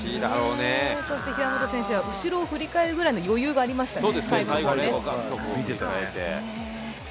平本選手は後ろを振り返るぐらいの余裕ありましたね。